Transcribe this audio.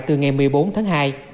từ ngày một mươi bốn tháng hai